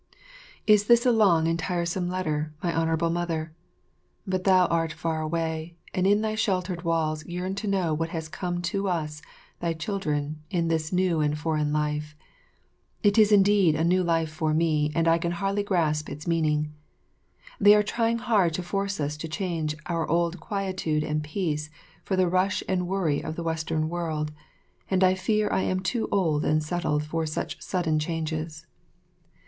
Is this a long and tiresome letter, my Honourable Mother? But thou art far away, and in thy sheltered walls yearn to know what has come to us, thy children, in this new and foreign life. It is indeed a new life for me, and I can hardly grasp its meaning. They are trying hard to force us to change our old quietude and peace for the rush and worry of the Western world, and I fear I am too old and settled for such sudden changes.